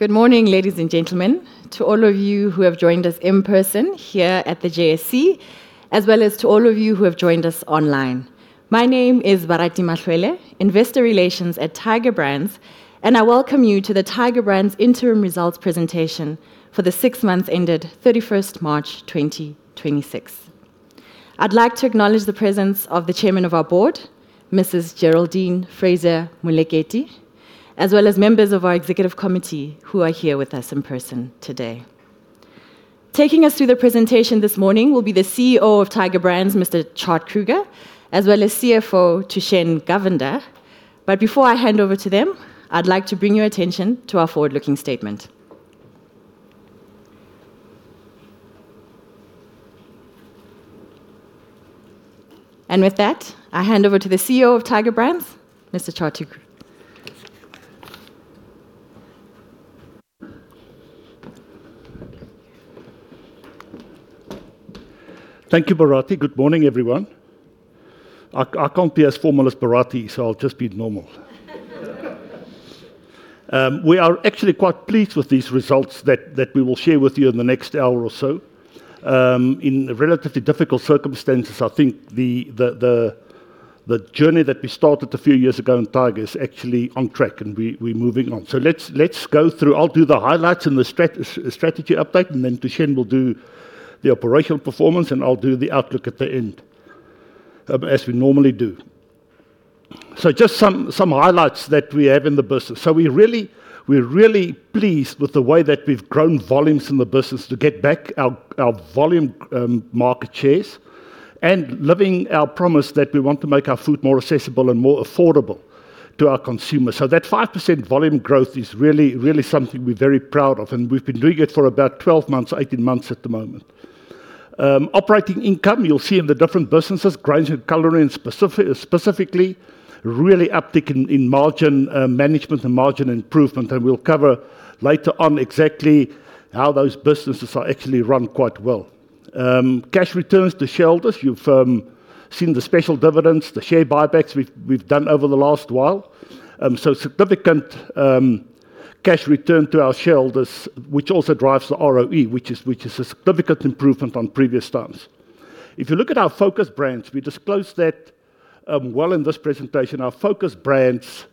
Good morning, ladies and gentlemen, to all of you who have joined us in person here at the JSE, as well as to all of you who have joined us online. My name is Barati Mahloele, Investor Relations at Tiger Brands. I welcome you to the Tiger Brands Interim Results Presentation for the six months ended 31st March 2026. I'd like to acknowledge the presence of the Chairman of our Board, Mrs. Geraldine Fraser-Moleketi, as well as members of our executive committee who are here with us in person today. Taking us through the presentation this morning will be the CEO of Tiger Brands, Mr. Tjaart Kruger, as well as CFO, Thushen Govender. Before I hand over to them, I'd like to bring your attention to our forward-looking statement. With that, I hand over to the CEO of Tiger Brands, Mr. Tjaart. Thank you, Barati. Good morning, everyone. I can't be as formal as Barati, I'll just be normal. We are actually quite pleased with these results that we will share with you in the next hour or so. In relatively difficult circumstances, I think the journey that we started a few years ago in Tiger is actually on track, we're moving on. Let's go through. I'll do the highlights and the strategy update, Thushen will do the operational performance, I'll do the outlook at the end, as we normally do. Just some highlights that we have in the business. We're really pleased with the way that we've grown volumes in the business to get back our volume market shares living our promise that we want to make our food more accessible and more affordable to our consumers. That 5% volume growth is really something we're very proud of, and we've been doing it for about 12 months, 18 months at the moment. Operating income, you'll see in the different businesses, Grains and Culinary specifically, really uptick in margin management and margin improvement. We'll cover later on exactly how those businesses are actually run quite well. Cash returns to shareholders. You've seen the special dividends, the share buybacks we've done over the last while. Significant cash return to our shareholders, which also drives the ROE, which is a significant improvement on previous times. If you look at our focused brands, we disclose that well in this presentation. Our focused brands,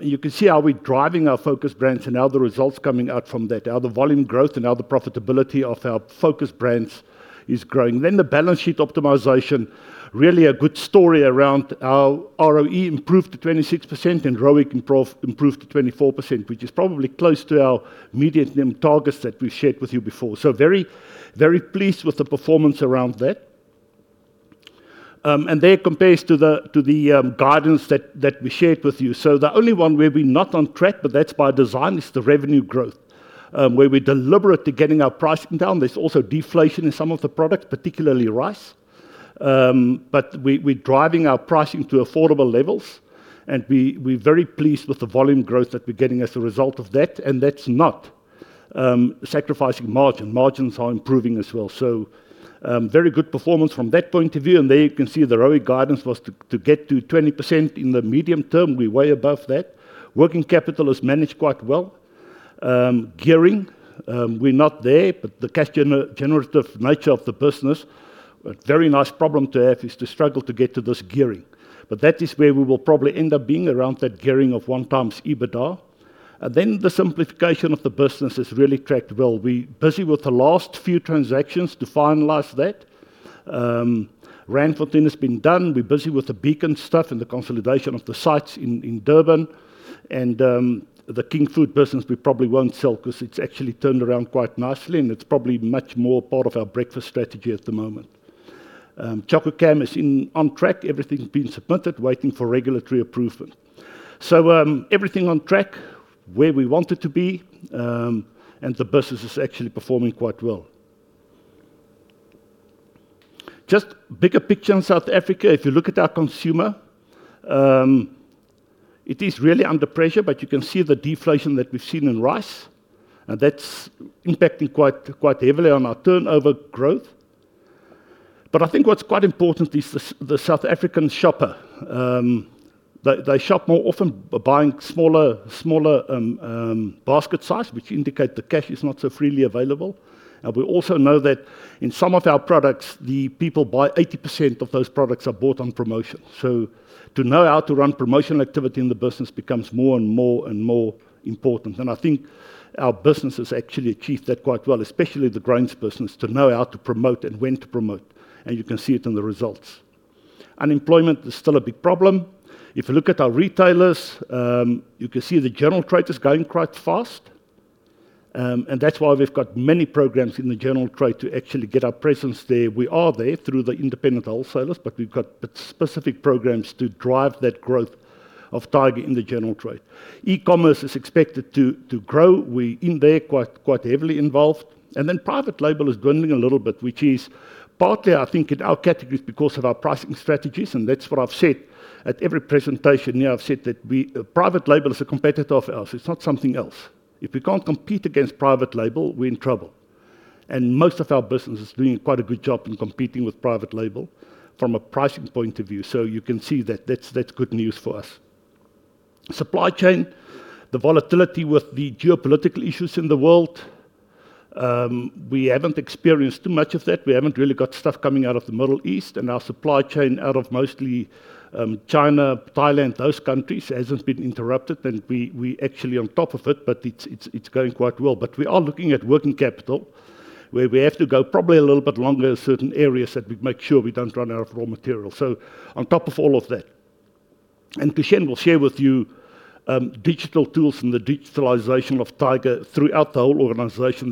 you can see how we're driving our focused brands and how the results coming out from that, how the volume growth and how the profitability of our focused brands is growing. The balance sheet optimization, really a good story around how ROE improved to 26% and ROIC improved to 24%, which is probably close to our medium-term targets that we've shared with you before. Very pleased with the performance around that. There compares to the guidance that we shared with you. The only one where we're not on track, but that's by design, is the revenue growth, where we're deliberately getting our pricing down. There's also deflation in some of the products, particularly rice. We're driving our pricing to affordable levels, and we're very pleased with the volume growth that we're getting as a result of that. That's not sacrificing margin. Margins are improving as well. Very good performance from that point of view. There you can see the ROIC guidance was to get to 20% in the medium term. We're way above that. Working capital is managed quite well. Gearing, we're not there, but the cash generative nature of the business, a very nice problem to have is to struggle to get to this gearing. That is where we will probably end up being around that gearing of one times EBITDA. The simplification of the business has really tracked well. We're busy with the last few transactions to finalize that. Randfontein has been done. We're busy with the Beacon stuff and the consolidation of the sites in Durban. The King Foods business we probably won't sell because it's actually turned around quite nicely, and it's probably much more part of our breakfast strategy at the moment. Chococam is on track. Everything's been submitted, waiting for regulatory approval. Everything on track where we want it to be. The business is actually performing quite well. Just bigger picture in South Africa, if you look at our consumer, it is really under pressure, but you can see the deflation that we've seen in rice, and that's impacting quite heavily on our turnover growth. I think what's quite important is the South African shopper. They shop more often, buying smaller basket size, which indicate the cash is not so freely available. We also know that in some of our products, the people buy 80% of those products are bought on promotion. To know how to run promotional activity in the business becomes more and more important. I think our business has actually achieved that quite well, especially the Grains business, to know how to promote and when to promote. You can see it in the results. Unemployment is still a big problem. If you look at our retailers, you can see the General Trade is growing quite fast. That's why we've got many programs in the General Trade to actually get our presence there. We are there through the independent wholesalers, but we've got specific programs to drive that growth of Tiger in the General Trade. E-commerce is expected to grow. We're in there, quite heavily involved. Then private label is growing a little bit, which is partly, I think, in our categories because of our pricing strategies, and that's what I've said at every presentation here. I've said that private label is a competitor of ours. It's not something else. If we can't compete against private label, we're in trouble. Most of our business is doing quite a good job in competing with private label from a pricing point of view. You can see that that's good news for us. Supply chain, the volatility with the geopolitical issues in the world, we haven't experienced too much of that. We haven't really got stuff coming out of the Middle East and our supply chain out of mostly China, Thailand, those countries, hasn't been interrupted and we actually on top of it, but it's going quite well. We are looking at working capital, where we have to go probably a little bit longer in certain areas that we make sure we don't run out of raw materials. On top of all of that. Thushen will share with you digital tools and the digitalization of Tiger throughout the whole organization,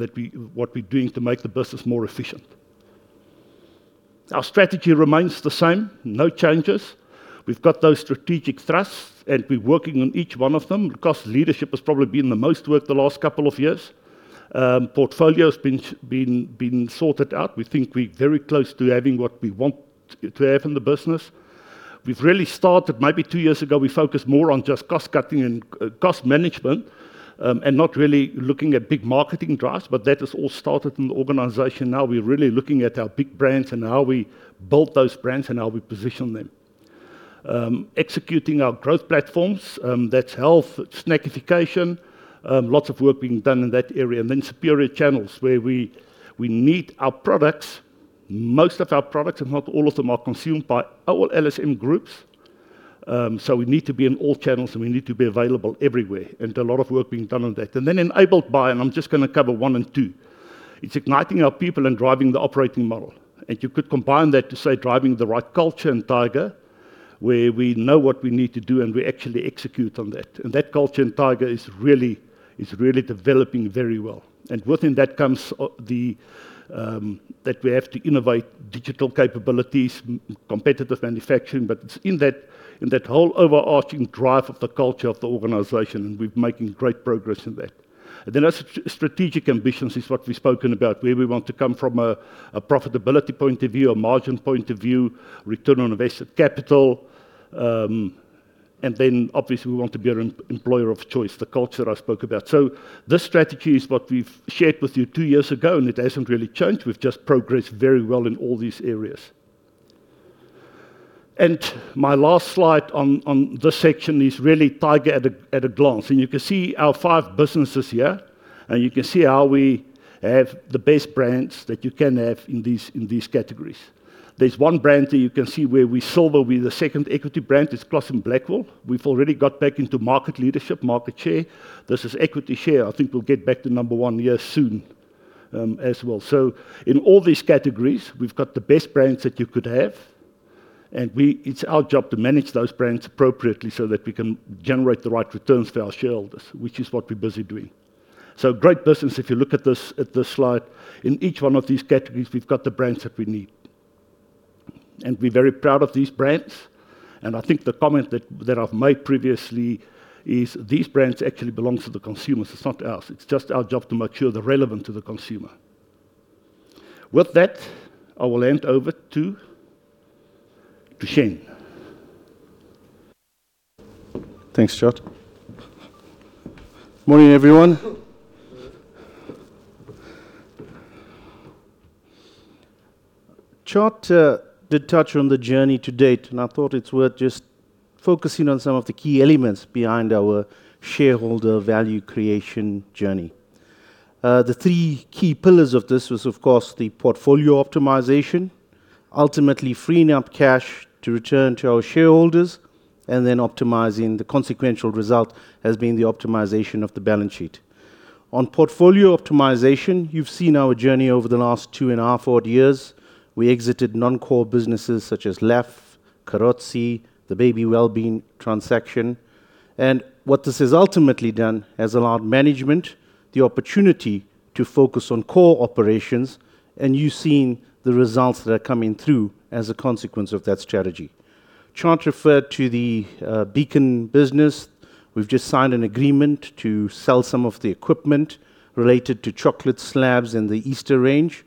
what we're doing to make the business more efficient. Our strategy remains the same, no changes. We've got those strategic thrusts, and we're working on each one of them. Cost leadership has probably been the most work the last couple of years. Portfolio's been sorted out. We think we're very close to having what we want to have in the business. We've really started, maybe two years ago, we focused more on just cost-cutting and cost management, and not really looking at big marketing drives, that has all started in the organization now. We're really looking at our big brands and how we build those brands and how we position them. Executing our growth platforms, that's health, snackification, lots of work being done in that area. Superior channels, where we need our products. Most of our products, if not all of them, are consumed by all LSM groups. We need to be in all channels, and we need to be available everywhere. A lot of work being done on that. Enabled by, and I'm just going to cover one and two, it's igniting our people and driving the operating model. You could combine that to say driving the right culture in Tiger, where we know what we need to do, and we actually execute on that. That culture in Tiger is really developing very well. Within that comes that we have to innovate digital capabilities, competitive manufacturing, but it's in that whole overarching drive of the culture of the organization, and we're making great progress in that. Our strategic ambitions is what we've spoken about, where we want to come from a profitability point of view, a margin point of view, return on invested capital, and then obviously we want to be an employer of choice, the culture I spoke about. This strategy is what we've shared with you two years ago, and it hasn't really changed. We've just progressed very well in all these areas. My last slide on this section is really Tiger at a glance. You can see our five businesses here, and you can see how we have the best brands that you can have in these categories. There's one brand that you can see where we saw there be the second equity brand is Crosse & Blackwell. We've already got back into market leadership, market share. This is equity share. I think we'll get back to number one here soon, as well. In all these categories, we've got the best brands that you could have, and it's our job to manage those brands appropriately so that we can generate the right returns for our shareholders, which is what we're busy doing. Great business if you look at this slide. In each one of these categories, we've got the brands that we need. We're very proud of these brands, and I think the comment that I've made previously is these brands actually belongs to the consumers. It's not ours. It's just our job to make sure they're relevant to the consumer. With that, I will hand over to Thushen. Thanks, Tjaart. Morning, everyone. Tjaart did touch on the journey to date. I thought it's worth just focusing on some of the key elements behind our shareholder value creation journey. The three key pillars of this was, of course, the portfolio optimization, ultimately freeing up cash to return to our shareholders. Then optimizing the consequential result has been the optimization of the balance sheet. On portfolio optimization, you've seen our journey over the last two and a half, odd years. We exited non-core businesses such as LAF, Carozzi, the Baby Wellbeing transaction. What this has ultimately done has allowed management the opportunity to focus on core operations. You've seen the results that are coming through as a consequence of that strategy. Tjaart referred to the Beacon business. We've just signed an agreement to sell some of the equipment related to chocolate slabs in the Easter range.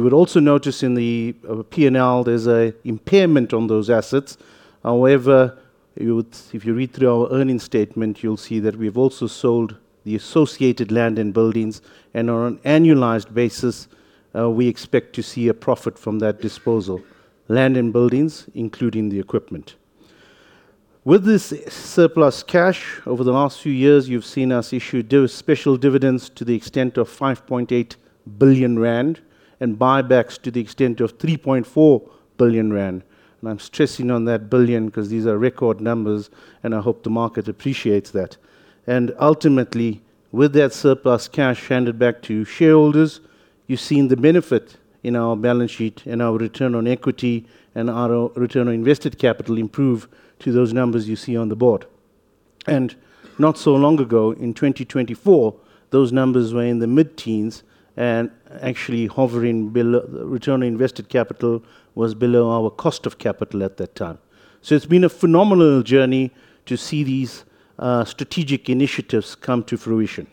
You would also notice in the P&L there's an impairment on those assets. However, if you read through our earnings statement, you'll see that we've also sold the associated land and buildings, and on an annualized basis, we expect to see a profit from that disposal. Land and buildings, including the equipment. With this surplus cash, over the last few years, you've seen us issue special dividends to the extent of 5.8 billion rand and buybacks to the extent of 3.4 billion rand. I'm stressing on that billion because these are record numbers, and I hope the market appreciates that. Ultimately, with that surplus cash handed back to shareholders, you've seen the benefit in our balance sheet and our return on equity and our return on invested capital improve to those numbers you see on the board. Not so long ago, in 2024, those numbers were in the mid-teens and actually hovering below, return on invested capital was below our cost of capital at that time. It's been a phenomenal journey to see these strategic initiatives come to fruition.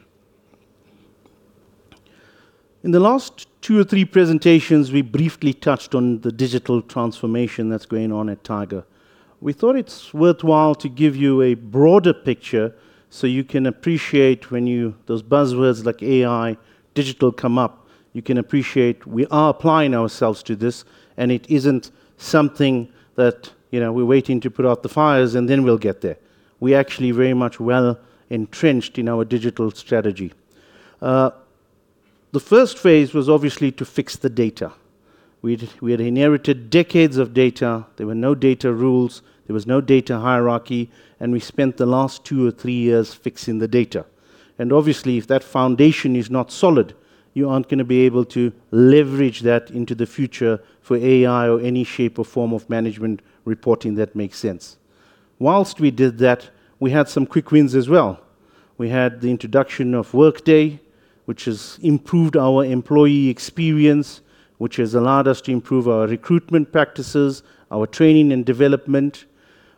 In the last two or three presentations, we briefly touched on the digital transformation that's going on at Tiger. We thought it's worthwhile to give you a broader picture so you can appreciate when those buzzwords like AI, digital come up, you can appreciate we are applying ourselves to this and it isn't something that we're waiting to put out the fires and then we'll get there. We're actually very much well-entrenched in our digital strategy. The first phase was obviously to fix the data. We had inherited decades of data. There were no data rules, there was no data hierarchy. We spent the last two or three years fixing the data. Obviously, if that foundation is not solid, you aren't going to be able to leverage that into the future for AI or any shape or form of management reporting that makes sense. Whilst we did that, we had some quick wins as well. We had the introduction of Workday, which has improved our employee experience, which has allowed us to improve our recruitment practices, our training and development.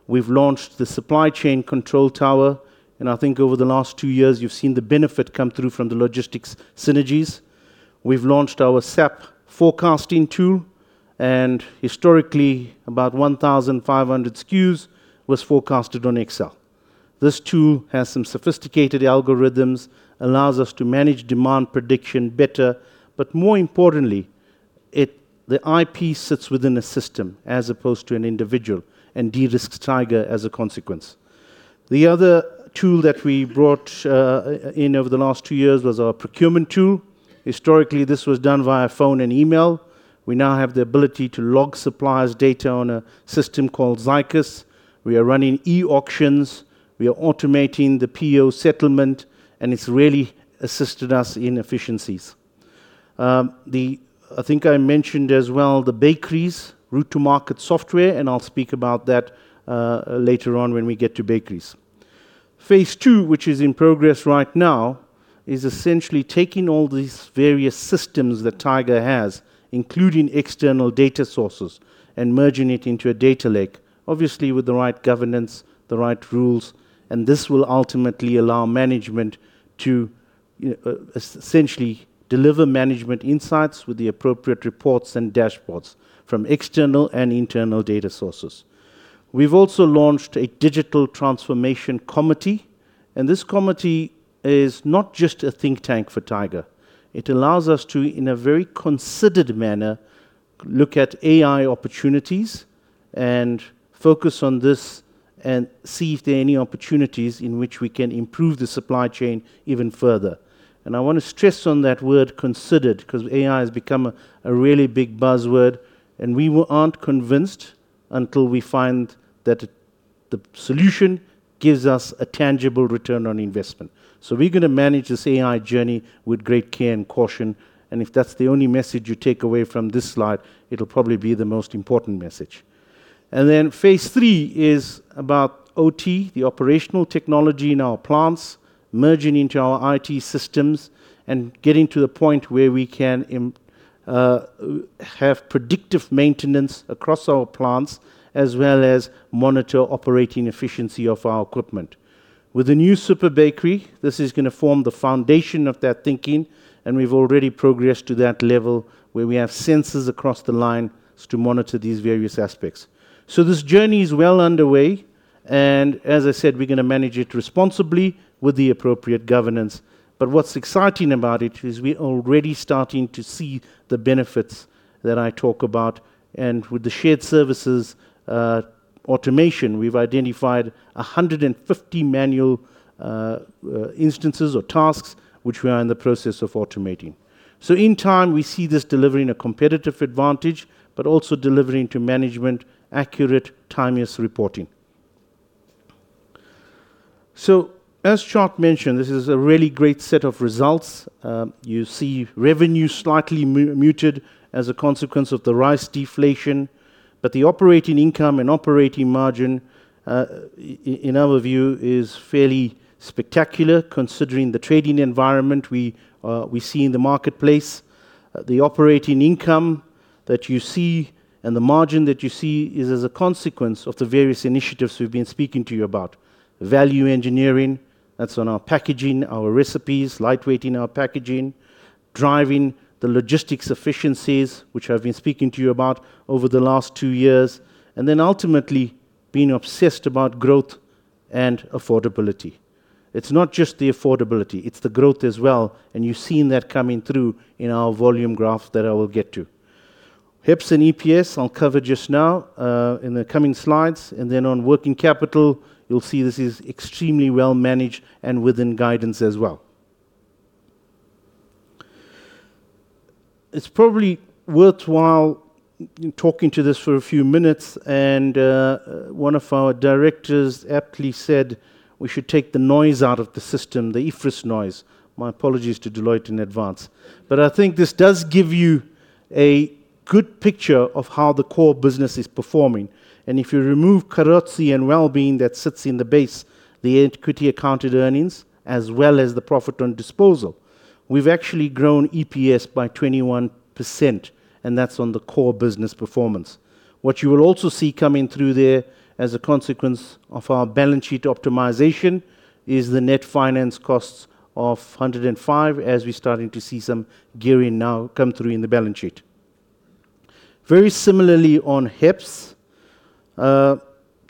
We've launched the supply chain control tower. I think over the last two years, you've seen the benefit come through from the logistics synergies. We've launched our SAP forecasting tool. Historically, about 1,500 SKUs was forecasted on Excel. This tool has some sophisticated algorithms, allows us to manage demand prediction better, but more importantly, the IP sits within a system as opposed to an individual and de-risks Tiger as a consequence. The other tool that we brought in over the last two years was our procurement tool. Historically, this was done via phone and email. We now have the ability to log suppliers' data on a system called Zycus. We are running e-auctions, we are automating the PO settlement, and it's really assisted us in efficiencies. I think I mentioned as well the bakeries' route to market software, and I'll speak about that later on when we get to bakeries. Phase II, which is in progress right now, is essentially taking all these various systems that Tiger has, including external data sources, and merging it into a data lake, obviously with the right governance, the right rules. This will ultimately allow management to essentially deliver management insights with the appropriate reports and dashboards from external and internal data sources. We've also launched a Digital Transformation Committee. This committee is not just a think tank for Tiger. It allows us to, in a very considered manner, look at AI opportunities and focus on this and see if there are any opportunities in which we can improve the supply chain even further. I want to stress on that word "considered" because AI has become a really big buzzword, and we aren't convinced until we find that the solution gives us a tangible return on investment. We're going to manage this AI journey with great care and caution, and if that's the only message you take away from this slide, it'll probably be the most important message. Then phase III is about OT, the operational technology in our plants, merging into our IT systems and getting to the point where we can have predictive maintenance across our plants, as well as monitor operating efficiency of our equipment. With the new Super Bakery, this is going to form the foundation of that thinking, and we've already progressed to that level where we have sensors across the line to monitor these various aspects. This journey is well underway, and as I said, we're going to manage it responsibly with the appropriate governance. What's exciting about it is we're already starting to see the benefits that I talk about. With the shared services automation, we've identified 150 manual instances or tasks which we are in the process of automating. In time, we see this delivering a competitive advantage, but also delivering to management accurate, timeous reporting. As Tjaart mentioned, this is a really great set of results. You see revenue slightly muted as a consequence of the rice deflation, but the operating income and operating margin, in our view, is fairly spectacular considering the trading environment we see in the marketplace. The operating income that you see and the margin that you see is as a consequence of the various initiatives we've been speaking to you about. Value engineering, that's on our packaging, our recipes, lightweighting our packaging, driving the logistics efficiencies, which I've been speaking to you about over the last two years, and then ultimately being obsessed about growth and affordability. It's not just the affordability, it's the growth as well, and you've seen that coming through in our volume graph that I will get to. HEPS and EPS I'll cover just now in the coming slides. Then on working capital, you'll see this is extremely well managed and within guidance as well. It's probably worthwhile talking to this for a few minutes, and one of our directors aptly said we should take the noise out of the system, the IFRS noise. My apologies to Deloitte in advance. I think this does give you a good picture of how the core business is performing. If you remove Carozzi and Wellbeing that sits in the base, the equity accounted earnings, as well as the profit on disposal, we've actually grown EPS by 21%, and that's on the core business performance. What you will also see coming through there as a consequence of our balance sheet optimization is the net finance costs of 105 as we're starting to see some gearing now come through in the balance sheet. Very similarly on HEPS,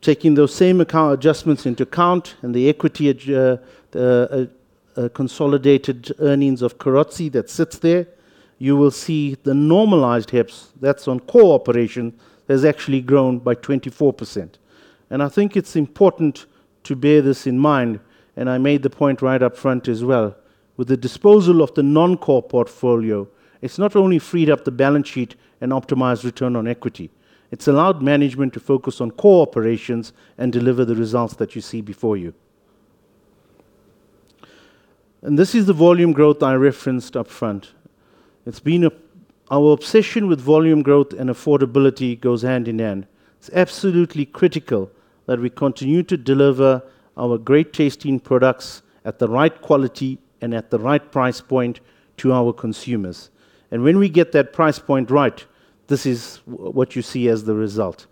taking those same account adjustments into account and the equity, the consolidated earnings of Carozzi that sits there, you will see the normalized HEPS that's on core operation has actually grown by 24%. I think it's important to bear this in mind, and I made the point right up front as well. With the disposal of the non-core portfolio, it's not only freed up the balance sheet and optimized return on equity, it's allowed management to focus on core operations and deliver the results that you see before you. This is the volume growth I referenced up front. Our obsession with volume growth and affordability goes hand in hand. It's absolutely critical that we continue to deliver our great-tasting products at the right quality and at the right price point to our consumers. When we get that price point right, this is what you see as the result.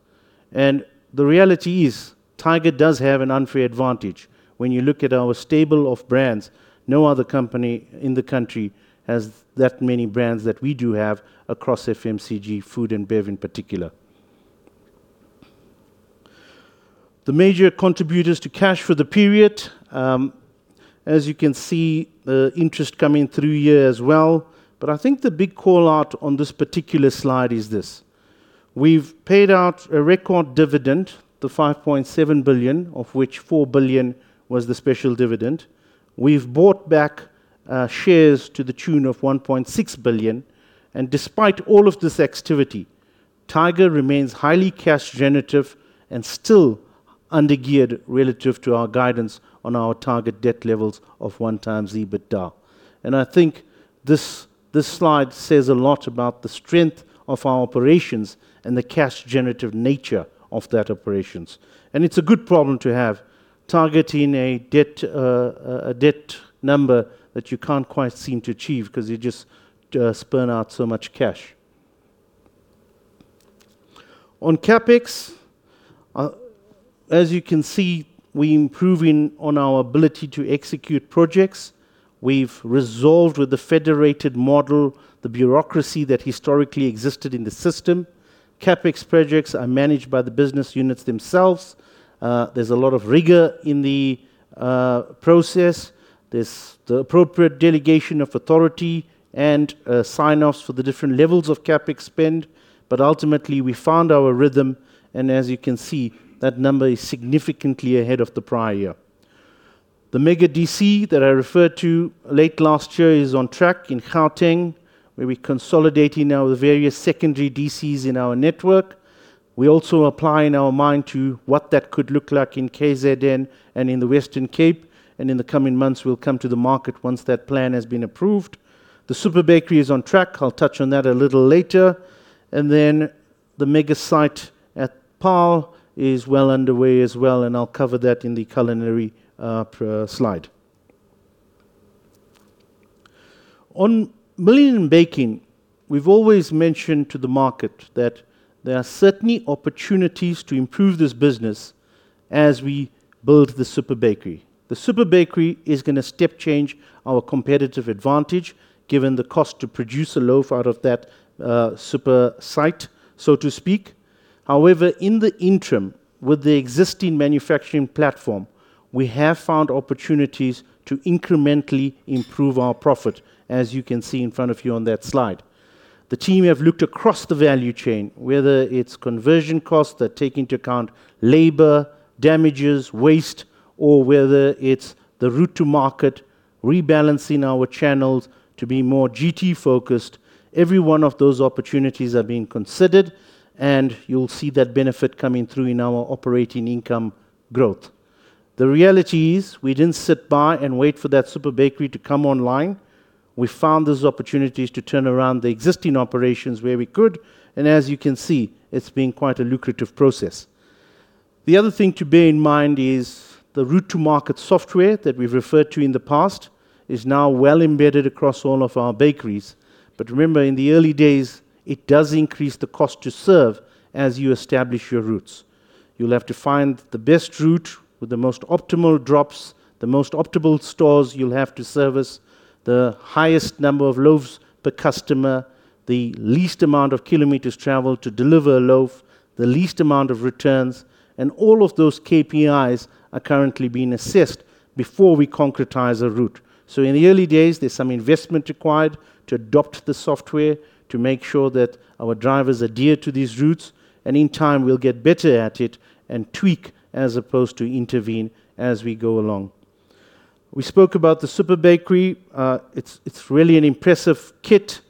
The reality is, Tiger does have an unfair advantage. When you look at our stable of brands, no other company in the country has that many brands that we do have across FMCG food and bev in particular. The major contributors to cash for the period. As you can see, interest coming through here as well. I think the big call-out on this particular slide is this. We've paid out a record dividend, the 5.7 billion, of which 4 billion was the special dividend. We've bought back shares to the tune of 1.6 billion. Despite all of this activity, Tiger remains highly cash generative and still under-geared relative to our guidance on our target debt levels of 1x EBITDA. I think this slide says a lot about the strength of our operations and the cash generative nature of that operations. It's a good problem to have, targeting a debt number that you can't quite seem to achieve because you just spurn out so much cash. On CapEx, as you can see, we're improving on our ability to execute projects. We've resolved with the federated model, the bureaucracy that historically existed in the system. CapEx projects are managed by the business units themselves. There's a lot of rigor in the process. There's the appropriate delegation of authority and sign-offs for the different levels of CapEx spend. Ultimately, we found our rhythm, and as you can see, that number is significantly ahead of the prior year. The Mega DC that I referred to late last year is on track in Gauteng, where we're consolidating our various secondary DCs in our network. We're also applying our mind to what that could look like in KZN and in the Western Cape, and in the coming months, we'll come to the market once that plan has been approved. The Super Bakery is on track. I'll touch on that a little later. The mega site at Paarl is well underway as well, and I'll cover that in the Culinary slide. On Milling and Baking, we've always mentioned to the market that there are certainly opportunities to improve this business as we build the Super Bakery. The Super Bakery is going to step change our competitive advantage given the cost to produce a loaf out of that super site, so to speak. However, in the interim, with the existing manufacturing platform, we have found opportunities to incrementally improve our profit, as you can see in front of you on that slide. The team have looked across the value chain, whether it's conversion costs that take into account labor, damages, waste, or whether it's the route to market, rebalancing our channels to be more GT focused. Every one of those opportunities are being considered. You'll see that benefit coming through in our operating income growth. The reality is we didn't sit by and wait for that Super Bakery to come online. We found those opportunities to turn around the existing operations where we could. As you can see, it's been quite a lucrative process. The other thing to bear in mind is the route-to-market software that we've referred to in the past is now well embedded across all of our bakeries. Remember, in the early days, it does increase the cost to serve as you establish your routes. You'll have to find the best route with the most optimal drops, the most optimal stores you'll have to service, the highest number of loaves per customer, the least amount of kilometers traveled to deliver a loaf, the least amount of returns, and all of those KPIs are currently being assessed before we concretize a route. In the early days, there's some investment required to adopt the software to make sure that our drivers adhere to these routes, and in time, we'll get better at it and tweak as opposed to intervene as we go along. We spoke about the Super Bakery. It's really an impressive kit.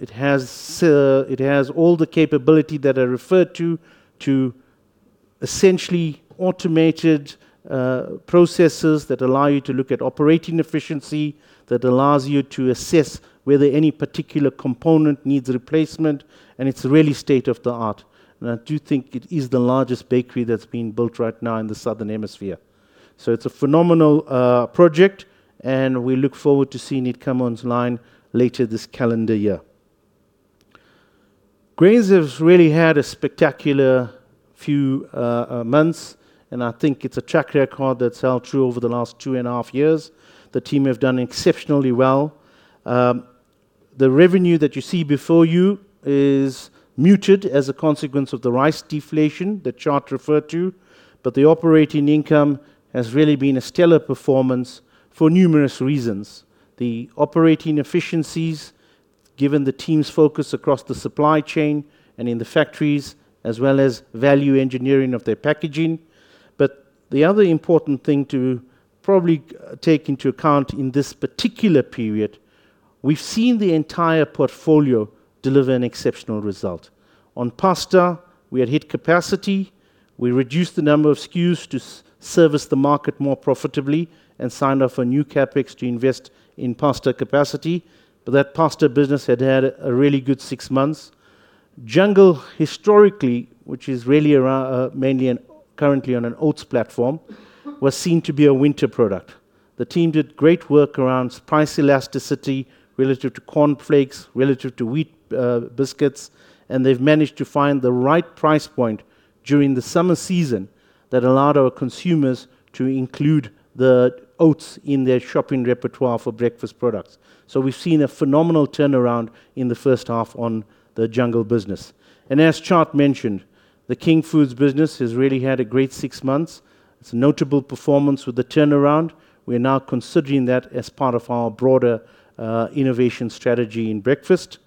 It has all the capability that I referred to essentially automated processes that allow you to look at operating efficiency, that allows you to assess whether any particular component needs replacement, and it's really state of the art. I do think it is the largest bakery that's being built right now in the Southern Hemisphere. It's a phenomenal project, and we look forward to seeing it come online later this calendar year. Grain has really had a spectacular few months, and I think it's a track record that's held true over the last two and a half years. The team have done exceptionally well. The revenue that you see before you is muted as a consequence of the rice deflation that Tjaart referred to, but the operating income has really been a stellar performance for numerous reasons. The operating efficiencies, given the team's focus across the supply chain and in the factories, as well as value engineering of their packaging. The other important thing to probably take into account in this particular period, we've seen the entire portfolio deliver an exceptional result. On pasta, we had hit capacity. We reduced the number of SKUs to service the market more profitably and signed off on new CapEx to invest in pasta capacity. That pasta business had had a really good six months. Jungle, historically, which is really mainly and currently on an oats platform, was seen to be a winter product. The team did great work around price elasticity relative to cornflakes, relative to wheat biscuits, and they've managed to find the right price point during the summer season that allowed our consumers to include the oats in their shopping repertoire for breakfast products. We've seen a phenomenal turnaround in the first half on the Jungle business. As Tjaart mentioned, the King Foods business has really had a great six months. It's a notable performance with the turnaround. We're now considering that as part of our broader innovation strategy in breakfast.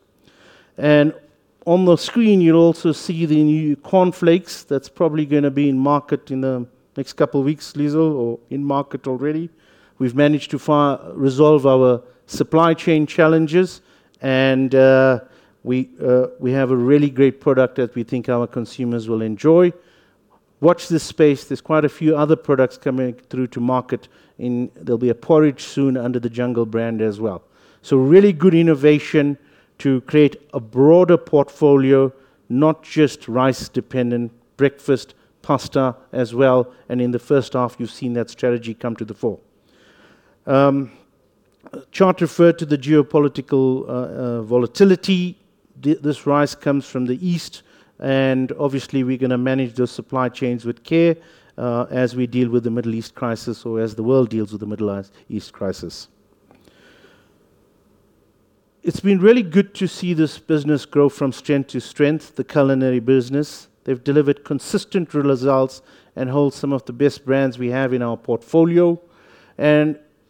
On the screen, you'll also see the new cornflakes that's probably going to be in market in the next couple of weeks, Liezel, or in market already. We've managed to resolve our supply chain challenges, and we have a really great product that we think our consumers will enjoy. Watch this space. There's quite a few other products coming through to market, and there'll be a porridge soon under the Jungle brand as well. Really good innovation to create a broader portfolio, not just rice-dependent breakfast, pasta as well, and in the first half, you've seen that strategy come to the fore. Tjaart referred to the geopolitical volatility. This rise comes from the East, and obviously, we're going to manage those supply chains with care as we deal with the Middle East crisis or as the world deals with the Middle East crisis. It's been really good to see this business grow from strength to strength, the Culinary business. They've delivered consistent results and hold some of the best brands we have in our portfolio.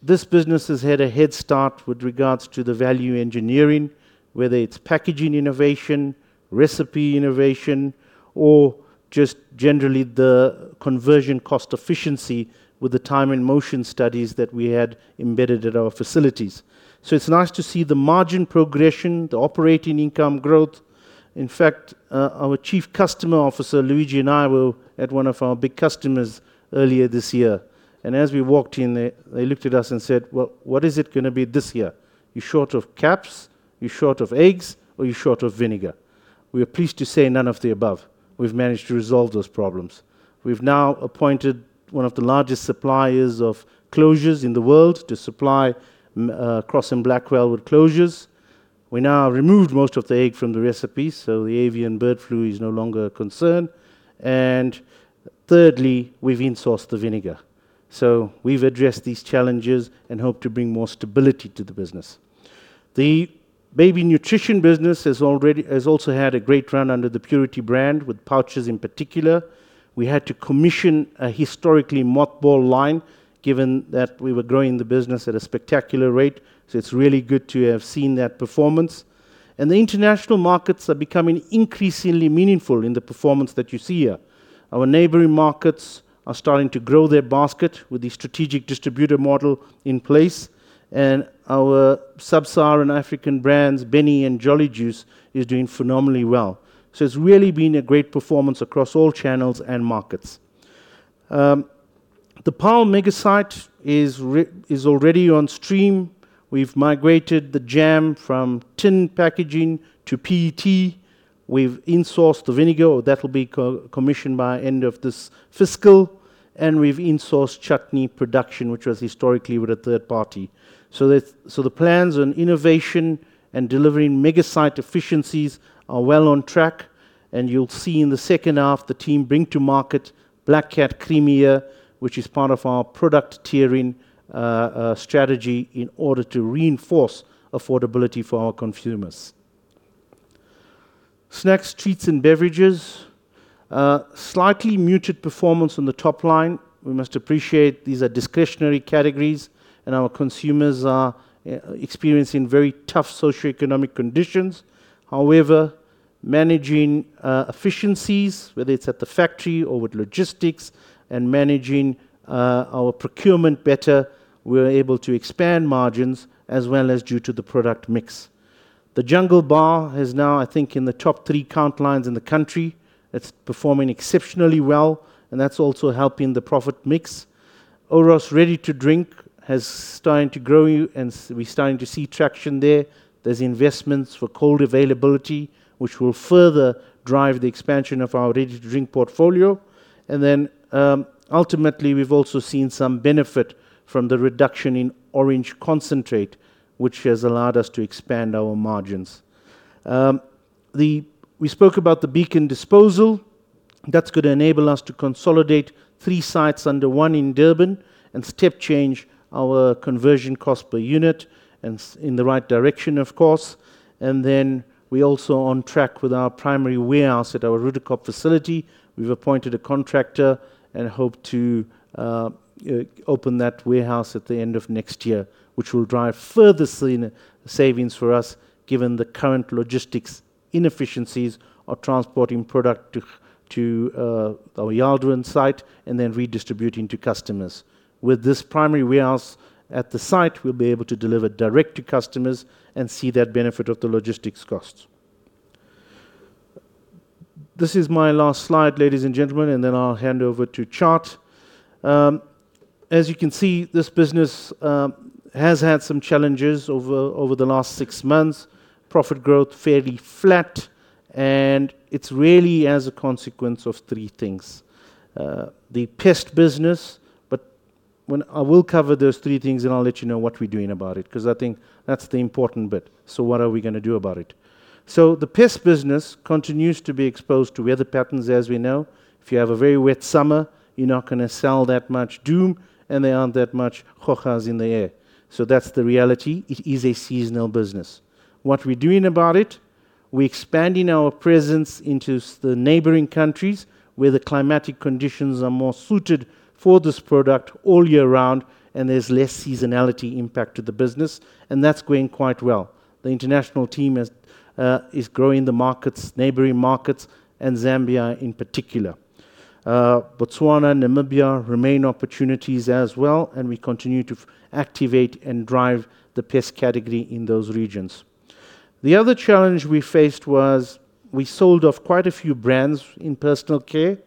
This business has had a head start with regards to the value engineering, whether it's packaging innovation, recipe innovation, or just generally the conversion cost efficiency with the time and motion studies that we had embedded at our facilities. It's nice to see the margin progression, the operating income growth. In fact, our Chief Customer Officer, Luigi and I, were at one of our big customers earlier this year, and as we walked in, they looked at us and said, "Well, what is it going to be this year? You short of caps, you short of eggs, or you short of vinegar?" We are pleased to say none of the above. We've managed to resolve those problems. We've now appointed one of the largest suppliers of closures in the world to supply Crosse & Blackwell with closures. We now removed most of the egg from the recipe, so the avian bird flu is no longer a concern. Thirdly, we've insourced the vinegar. We've addressed these challenges and hope to bring more stability to the business. The baby nutrition business has also had a great run under the Purity brand, with pouches in particular. We had to commission a historically mothballed line, given that we were growing the business at a spectacular rate. It's really good to have seen that performance. The international markets are becoming increasingly meaningful in the performance that you see here. Our neighboring markets are starting to grow their basket with the strategic distributor model in place, and our sub-Saharan African brands, Benny and Jolly Jus, is doing phenomenally well. It's really been a great performance across all channels and markets. The Paarl Mega Site is already on stream. We've migrated the jam from tin packaging to PET. We've insourced the vinegar. That will be commissioned by end of this fiscal. We've insourced chutney production, which was historically with a third party. The plans on innovation and delivering mega site efficiencies are well on track, and you'll see in the second half the team bring to market Black Cat Creamier, which is part of our product tiering strategy in order to reinforce affordability for our consumers. Snacks, treats, and beverages. Slightly muted performance on the top line. We must appreciate these are discretionary categories, and our consumers are experiencing very tough socioeconomic conditions. However, managing efficiencies, whether it's at the factory or with logistics and managing our procurement better, we're able to expand margins as well as due to the product mix. The Jungle bar is now, I think, in the top three countlines in the country. It's performing exceptionally well, and that's also helping the profit mix. Oros Ready to Drink has started to grow, and we're starting to see traction there. There's investments for cold availability, which will further drive the expansion of our ready to drink portfolio. Ultimately, we've also seen some benefit from the reduction in orange concentrate, which has allowed us to expand our margins. We spoke about the Beacon disposal. That's going to enable us to consolidate three sites under one in Durban and step change our conversion cost per unit in the right direction, of course. We're also on track with our primary warehouse at our Roodekop facility. We've appointed a contractor and hope to open that warehouse at the end of next year, which will drive further savings for us given the current logistics inefficiencies of transporting product to our Yardwing site and then redistributing to customers. With this primary warehouse at the site, we'll be able to deliver direct to customers and see that benefit of the logistics costs. This is my last slide, ladies and gentlemen, then I'll hand over to Tjaart. As you can see, this business has had some challenges over the last six months. Profit growth fairly flat, it's really as a consequence of three things. The pest business, I will cover those three things, and I'll let you know what we're doing about it, because I think that's the important bit. What are we going to do about it? The pest business continues to be exposed to weather patterns, as we know. If you have a very wet summer, you're not going to sell that much Doom, and there aren't that much mozzies in the air. That's the reality. It is a seasonal business. What we're doing about it, we're expanding our presence into the neighboring countries where the climatic conditions are more suited for this product all year round, and there's less seasonality impact to the business, and that's going quite well. The international team is growing the markets, neighboring markets, and Zambia in particular. Botswana, Namibia remain opportunities as well, and we continue to activate and drive the pest category in those regions. The other challenge we faced was we sold off quite a few brands in personal care,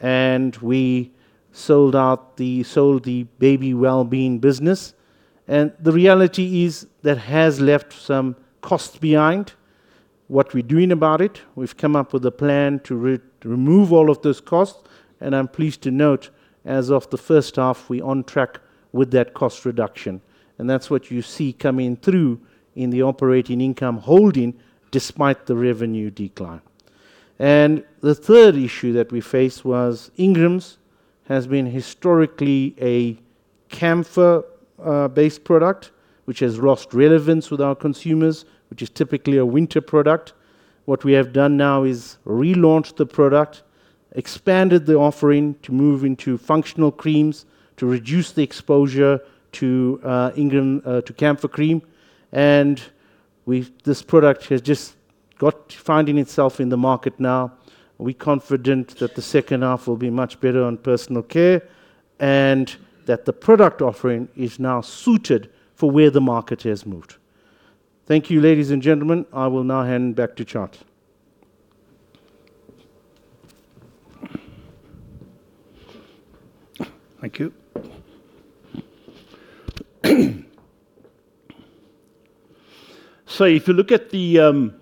and we sold the Baby Wellbeing business. The reality is that has left some costs behind. What we're doing about it, we've come up with a plan to remove all of those costs, and I'm pleased to note, as of the first half, we're on track with that cost reduction. That's what you see coming through in the operating income holding despite the revenue decline. The third issue that we faced was Ingram's has been historically a camphor-based product, which has lost relevance with our consumers, which is typically a winter product. What we have done now is relaunched the product, expanded the offering to move into functional creams to reduce the exposure to camphor cream. This product has just got finding itself in the market now. We're confident that the second half will be much better on personal care and that the product offering is now suited for where the market has moved. Thank you, ladies and gentlemen. I will now hand back to Tjaart. Thank you. If you look at the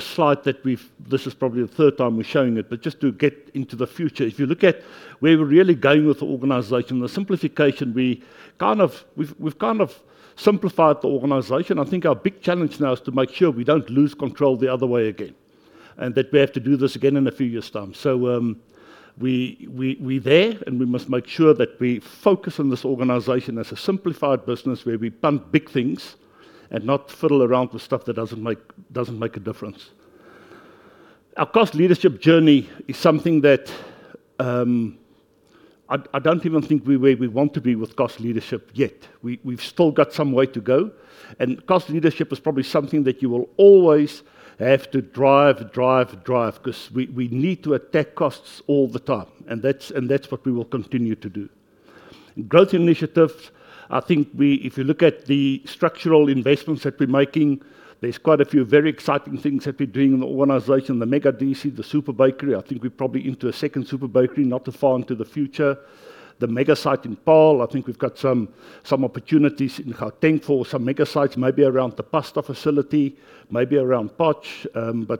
slide, this is probably the third time we're showing it, but just to get into the future. If you look at where we're really going with the organization, the simplification, we've kind of simplified the organization. I think our big challenge now is to make sure we don't lose control the other way again, and that we have to do this again in a few years' time. We're there, and we must make sure that we focus on this organization as a simplified business where we pump big things and not fiddle around with stuff that doesn't make a difference. Our cost leadership journey is something that I don't even think we're where we want to be with cost leadership yet. We've still got some way to go. Cost leadership is probably something that you will always have to drive, drive, because we need to attack costs all the time, and that's what we will continue to do. Growth initiatives, I think if you look at the structural investments that we're making, there's quite a few very exciting things that we're doing in the organization. The Mega DC, the Super Bakery. I think we're probably into a second Super Bakery not too far into the future. The mega site in Paarl. I think we've got some opportunities in Gauteng for some mega sites, maybe around the pasta facility, maybe around Potch.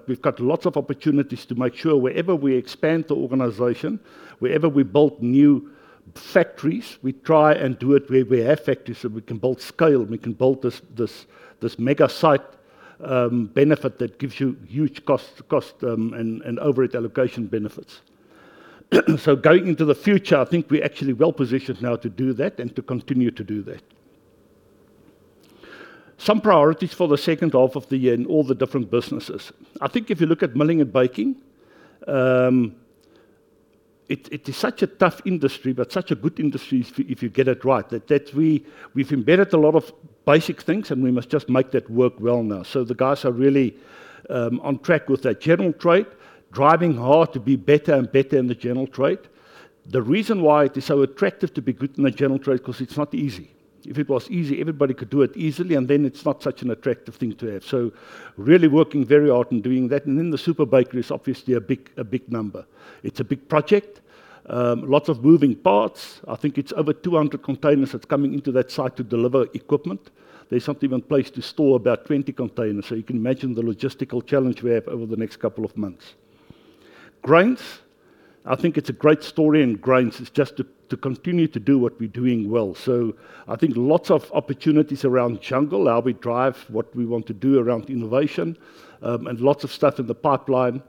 We've got lots of opportunities to make sure wherever we expand the organization, wherever we build new factories, we try and do it where we have factories, so we can build scale, we can build this mega site benefit that gives you huge cost and overhead allocation benefits. Going into the future, I think we're actually well-positioned now to do that and to continue to do that. Some priorities for the second half of the year in all the different businesses. I think if you look at Milling and Baking, it is such a tough industry but such a good industry if you get it right. That we've embedded a lot of basic things, and we must just make that work well now. The guys are really on track with that general trade, driving hard to be better and better in the general trade. The reason why it is so attractive to be good in the general trade, because it's not easy. If it was easy, everybody could do it easily, it's not such an attractive thing to have. Really working very hard on doing that. The Super Bakery is obviously a big number. It's a big project. Lots of moving parts. I think it's over 200 containers that's coming into that site to deliver equipment. There's not even place to store about 20 containers. You can imagine the logistical challenge we have over the next couple of months. Grains. I think it's a great story in grains. It's just to continue to do what we're doing well. I think lots of opportunities around Jungle, how we drive what we want to do around innovation, and lots of stuff in the pipeline.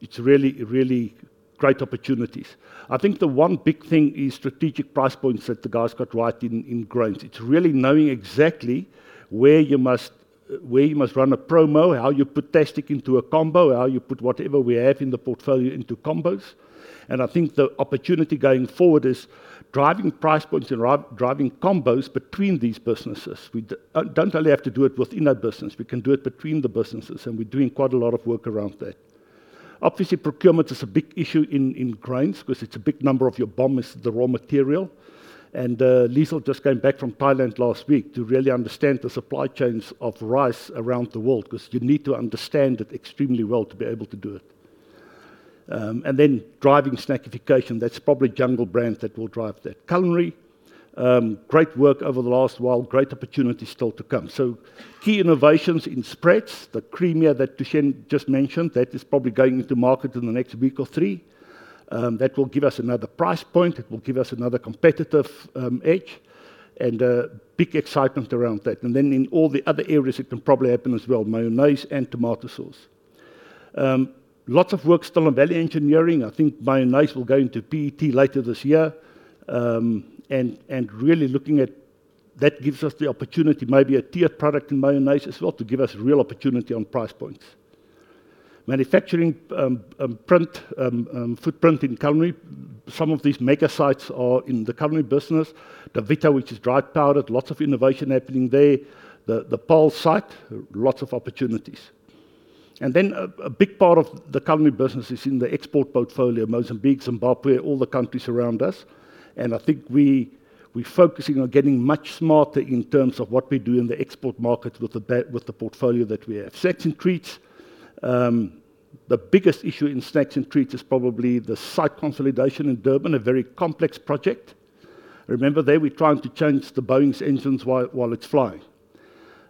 It's really great opportunities. I think the one big thing is strategic price points that the guys got right in grains. It's really knowing exactly where you must run a promo, how you put Tastic into a combo, how you put whatever we have in the portfolio into combos. I think the opportunity going forward is driving price points and driving combos between these businesses. We don't only have to do it within a business, we can do it between the businesses, and we're doing quite a lot of work around that. Obviously, procurement is a big issue in grains because it's a big number of your BOM is the raw material. Liezel just came back from Thailand last week to really understand the supply chains of rice around the world, because you need to understand it extremely well to be able to do it. Driving snackification, that's probably Jungle brand that will drive that. Culinary, great work over the last while. Great opportunity still to come. Key innovations in spreads, the Creamier that Thushen just mentioned, that is probably going into market in the next week or three. That will give us another price point, it will give us another competitive edge, and big excitement around that. In all the other areas, it can probably happen as well, mayonnaise and tomato sauce. Lots of work still on value engineering. I think mayonnaise will go into PET later this year. Really looking at that gives us the opportunity, maybe a tiered product in mayonnaise as well to give us real opportunity on price points. Manufacturing footprint in Culinary. Some of these mega sites are in the Culinary business. Davita, which is dried powdered, lots of innovation happening there. The Paarl site, lots of opportunities. A big part of the Culinary business is in the export portfolio, Mozambique, Zimbabwe, all the countries around us. I think we're focusing on getting much smarter in terms of what we do in the export market with the portfolio that we have. Snacks and treats. The biggest issue in snacks and treats is probably the site consolidation in Durban, a very complex project. Remember there we're trying to change the Boeing's engines while it's flying.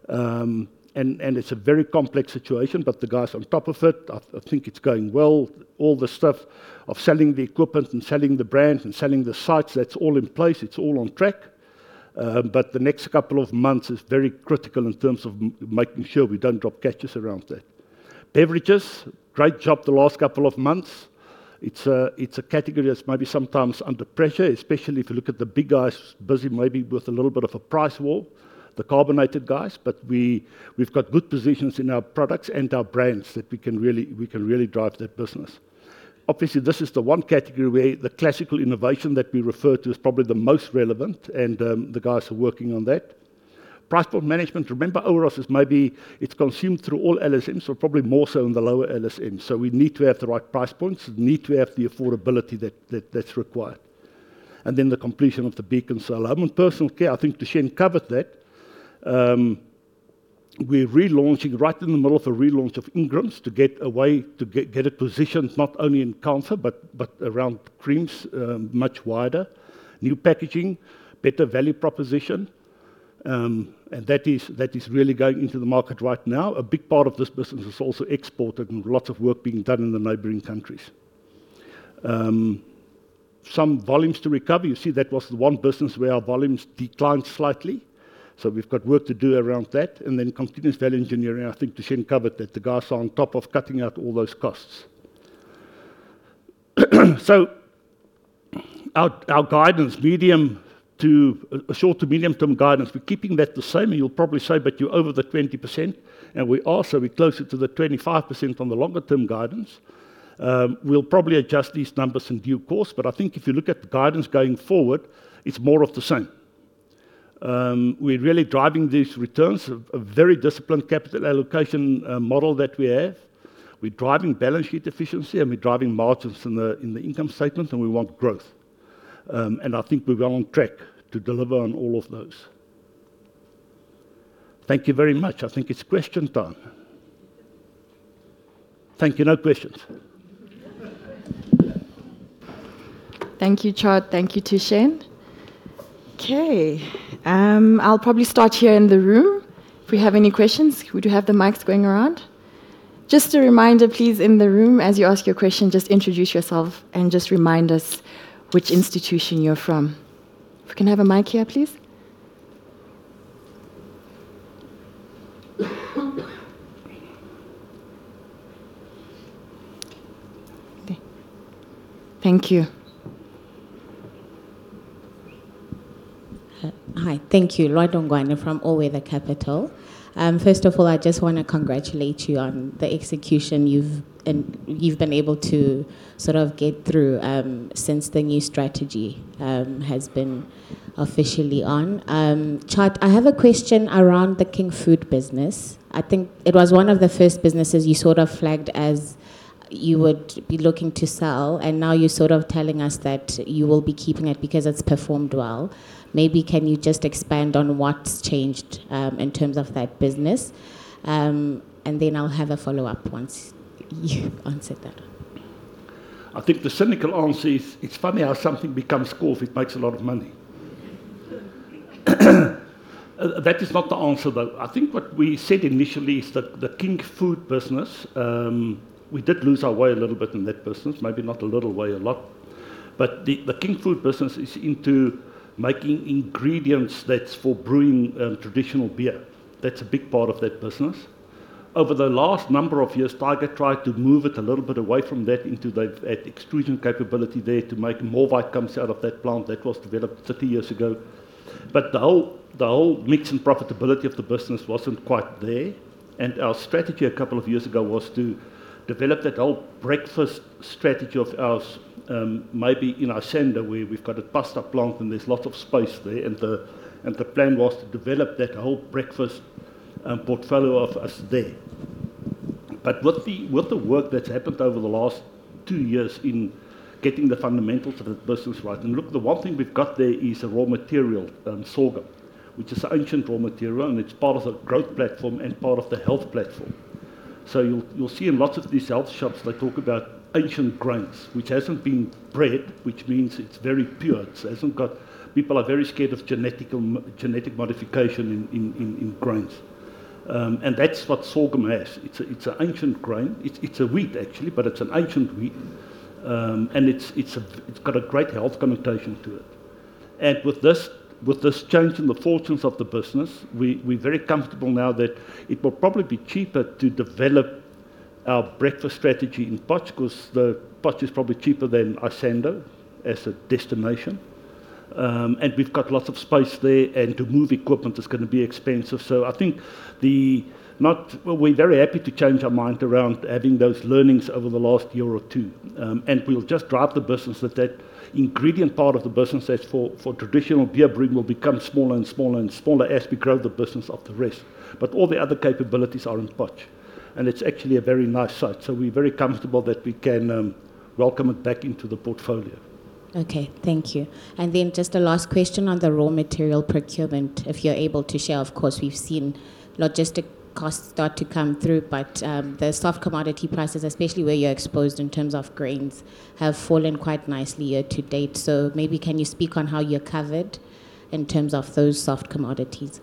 It's a very complex situation, but the guys are on top of it. I think it's going well. All the stuff of selling the equipment and selling the brands, and selling the sites, that's all in place. It's all on track. The next couple of months is very critical in terms of making sure we don't drop catches around that. Beverages, great job the last couple of months. It's a category that's maybe sometimes under pressure, especially if you look at the big guys busy maybe with a little bit of a price war, the carbonated guys. We've got good positions in our products and our brands that we can really drive that business. Obviously, this is the one category where the classical innovation that we refer to is probably the most relevant and the guys are working on that. Price point management. Remember, Oros is maybe it's consumed through all LSMs or probably more so in the lower LSMs. We need to have the right price points, need to have the affordability that's required. The completion of the Beacon sale. Home and personal care. I think Thushen covered that. We're right in the middle of a relaunch of Ingram's to get a way to get a position, not only in camphor, but around creams, much wider. New packaging, better value proposition. That is really going into the market right now. A big part of this business is also exported and lots of work being done in the neighboring countries. Some volumes to recover. You see that was the one business where our volumes declined slightly. We've got work to do around that. Continuous value engineering. I think Thushen covered that. The guys are on top of cutting out all those costs. Our short- to medium-term guidance, we're keeping that the same, and you'll probably say, but you're over the 20%, and we are. We're closer to the 25% on the longer-term guidance. We'll probably adjust these numbers in due course, but I think if you look at the guidance going forward, it's more of the same. We're really driving these returns of very disciplined capital allocation model that we have. We're driving balance sheet efficiency, and we're driving margins in the income statement, and we want growth. I think we're well on track to deliver on all of those. Thank you very much. I think it's question time. Thank you. No questions? Thank you, Tjaart. Thank you, Thushen. Okay. I'll probably start here in the room. If we have any questions, we do have the mics going around. Just a reminder, please, in the room, as you ask your question, just introduce yourself and just remind us which institution you're from. If we can have a mic here, please. Okay. Thank you. Hi. Thank you. Lwando Ngwane from All Weather Capital. First of all, I just want to congratulate you on the execution you've been able to sort of get through since the new strategy has been officially on. Tjaart, I have a question around the King Foods business. I think it was one of the first businesses you sort of flagged as you would be looking to sell, and now you're sort of telling us that you will be keeping it because it's performed well. Maybe can you just expand on what's changed in terms of that business? I'll have a follow-up once you've answered that. I think the cynical answer is it's funny how something becomes core if it makes a lot of money. That is not the answer, though. I think what we said initially is that the King Foods business, we did lose our way a little bit in that business. Maybe not a little way, a lot. The King Foods business is into making ingredients that's for brewing traditional beer. That's a big part of that business. Over the last number of years, Tiger tried to move it a little bit away from that into that extrusion capability there to make Morvite comes out of that plant that was developed 30 years ago. The whole mix and profitability of the business wasn't quite there. Our strategy a couple of years ago was to develop that whole breakfast strategy of ours. Maybe in Isando where we've got a pasta plant and there's lots of space there. The plan was to develop that whole breakfast portfolio of us there. With the work that's happened over the last two years in getting the fundamentals of that business right. Look, the one thing we've got there is a raw material, sorghum, which is an ancient raw material, and it's part of the growth platform and part of the health platform. You'll see in lots of these health shops, they talk about ancient grains, which hasn't been bred, which means it's very pure. People are very scared of genetic modification in grains. That's what sorghum has. It's an ancient grain. It's a wheat, actually, but it's an ancient wheat. It's got a great health connotation to it. With this change in the fortunes of the business, we're very comfortable now that it will probably be cheaper to develop our breakfast strategy in Potchefstroom because Potchefstroom is probably cheaper than Isando as a destination. We've got lots of space there, and to move equipment is going to be expensive. I think we're very happy to change our mind around having those learnings over the last year or two. We'll just drive the business that that ingredient part of the business that's for traditional beer brewing will become smaller and smaller and smaller as we grow the business of the rest. All the other capabilities are in Potch. It's actually a very nice site. We're very comfortable that we can welcome it back into the portfolio. Okay. Thank you. Just a last question on the raw material procurement, if you're able to share. Of course, we've seen logistic costs start to come through. The soft commodity prices, especially where you're exposed in terms of grains, have fallen quite nicely year to date. Maybe can you speak on how you're covered in terms of those soft commodities?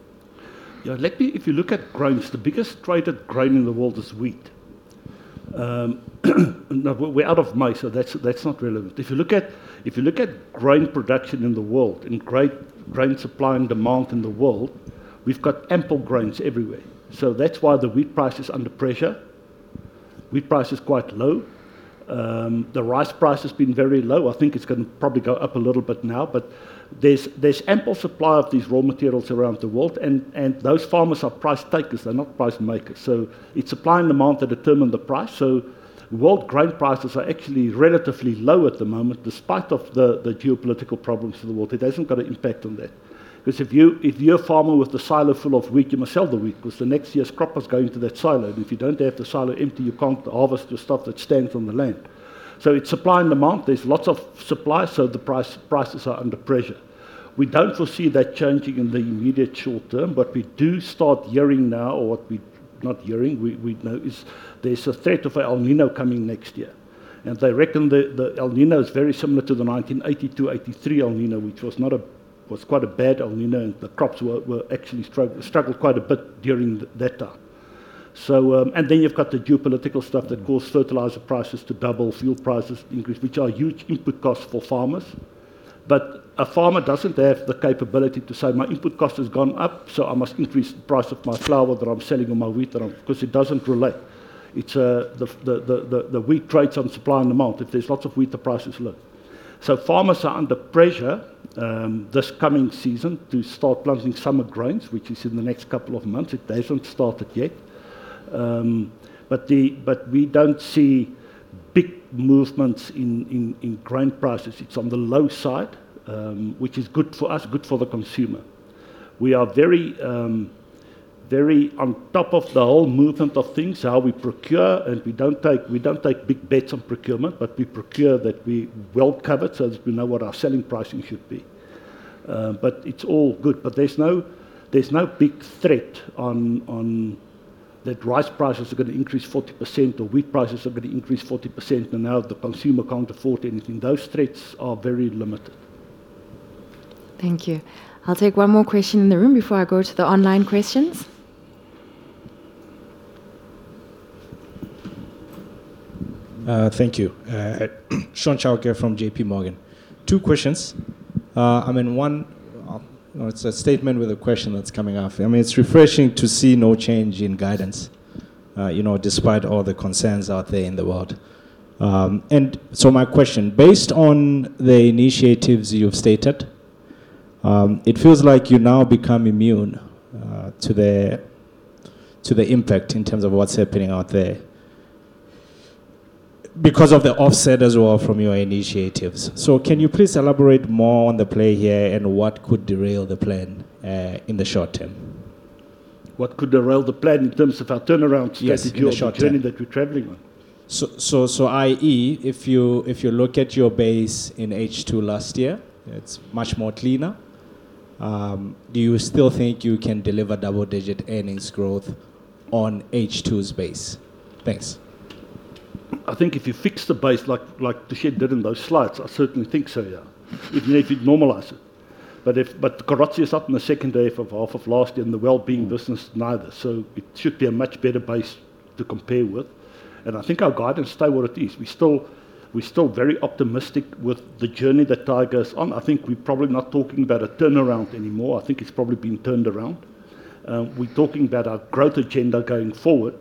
Yeah. If you look at grains, the biggest traded grain in the world is wheat. Now, we're out of maize so that's not relevant. If you look at grain production in the world and grain supply and demand in the world, we've got ample grains everywhere. That's why the wheat price is under pressure. Wheat price is quite low. The rice price has been very low. I think it's going to probably go up a little bit now, but there's ample supply of these raw materials around the world. Those farmers are price takers. They're not price makers. It's supply and demand that determine the price. World grain prices are actually relatively low at the moment despite of the geopolitical problems in the world. It hasn't got an impact on that. If you're a farmer with a silo full of wheat, you must sell the wheat because the next year's crop is going to that silo. If you don't have the silo empty, you can't harvest the stuff that stands on the land. It's supply and demand. There's lots of supply, so the prices are under pressure. We don't foresee that changing in the immediate short term, but we do start hearing now, or what we not hearing, we know is there's a threat of El Niño coming next year. They reckon the El Niño is very similar to the 1982/1983 El Niño, which was quite a bad El Niño, and the crops actually struggled quite a bit during that time. You've got the geopolitical stuff that caused fertilizer prices to double, fuel prices to increase, which are huge input costs for farmers. A farmer doesn't have the capability to say, "My input cost has gone up, so I must increase the price of my flour that I'm selling or my wheat," because it doesn't relate. The wheat trades on supply and demand. If there's lots of wheat, the price is low. Farmers are under pressure this coming season to start planting summer grains, which is in the next couple of months. It hasn't started yet. We don't see big movements in grain prices. It's on the low side, which is good for us, good for the consumer. We are very on top of the whole movement of things, how we procure, and we don't take big bets on procurement, but we procure that we're well covered so as we know what our selling pricing should be. It's all good. There's no big threat on that rice prices are going to increase 40% or wheat prices are going to increase 40%, and now the consumer can't afford anything. Those threats are very limited. Thank you. I'll take one more question in the room before I go to the online questions. Thank you. Shaun Chauke from JPMorgan. Two questions. One, it's a statement with a question that's coming after. It's refreshing to see no change in guidance despite all the concerns out there in the world. My question. Based on the initiatives you've stated, it feels like you now become immune to the impact in terms of what's happening out there because of the offset as well from your initiatives. Can you please elaborate more on the play here and what could derail the plan in the short term? What could derail the plan in terms of our turnaround strategy? Yes, in the short term. The journey that we're traveling on? I.e., if you look at your base in H2 last year, it's much more cleaner. Do you still think you can deliver double-digit earnings growth on H2's base? Thanks. I think if you fix the base like Thushen did in those slides, I certainly think so, yeah. It normalizes it. Carozzi is up in the second half of last year and the Baby Wellbeing business, neither. So, it should be a much better base to compare with. I think our guidance stay where it is. We're still very optimistic with the journey that Tiger's on. I think we're probably not talking about a turnaround anymore. I think it's probably been turned around. We're talking about our growth agenda going forward.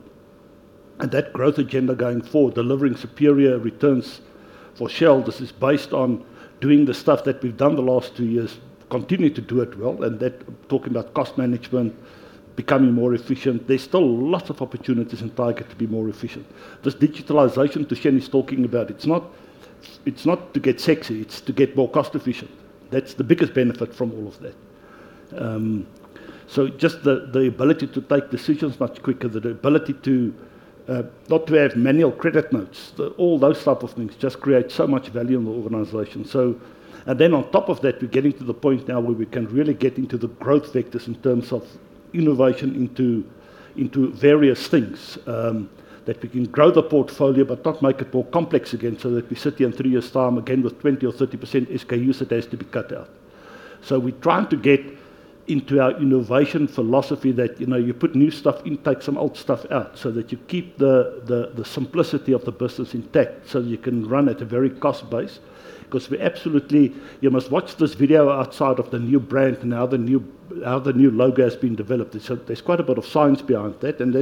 That growth agenda going forward, delivering superior returns for shareholders is based on doing the stuff that we've done the last two years, continuing to do it well. That, talking about cost management, becoming more efficient. There's still lots of opportunities in Tiger Brands to be more efficient. This digitalization Thushen is talking about, it's not to get sexy, it's to get more cost efficient. That's the biggest benefit from all of that. Just the ability to take decisions much quicker, the ability to not to have manual credit notes. All those type of things just create so much value in the organization. On top of that, we're getting to the point now where we can really get into the growth vectors in terms of innovation into various things, that we can grow the portfolio but not make it more complex again so that we sit here in three years' time again with 20% or 30% SKUs that has to be cut out. We're trying to get into our innovation philosophy that you put new stuff in, take some old stuff out, so that you keep the simplicity of the business intact so that you can run at a very cost base. We absolutely, you must watch this video outside of the new brand and how the new logo has been developed. There's quite a bit of science behind that, and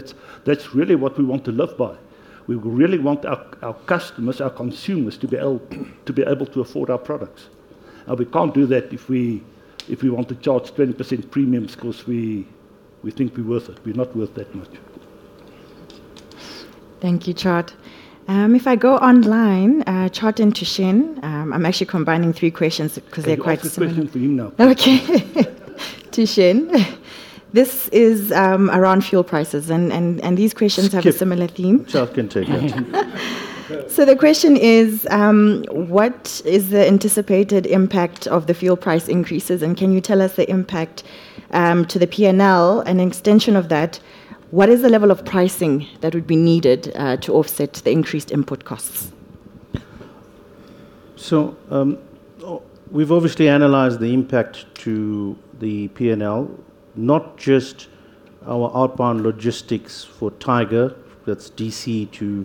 that's really what we want to live by. We really want our customers, our consumers to be able to afford our products. We can't do that if we want to charge 20% premiums because we think we're worth it. We're not worth that much. Thank you, Tjaart. If I go online, Tjaart and Thushen, I'm actually combining three questions because they're quite similar. Can you ask the question for him now please? Okay. Thushen, this is around fuel prices, and these questions have a similar theme. Tjaart can take that. The question is, what is the anticipated impact of the fuel price increases, and can you tell us the impact to the P&L? An extension of that, what is the level of pricing that would be needed to offset the increased input costs? We've obviously analyzed the impact to the P&L, not just our outbound logistics for Tiger, that's DC to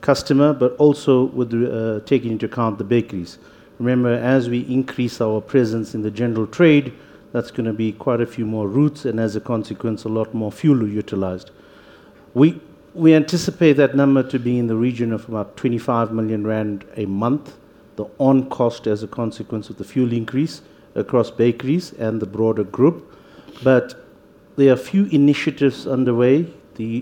customer, but also taking into account the bakeries. Remember, as we increase our presence in the general trade, that's going to be quite a few more routes, and as a consequence, a lot more fuel utilized. We anticipate that number to be in the region of about 25 million rand a month, the on cost as a consequence of the fuel increase across bakeries and the broader group. There are a few initiatives underway.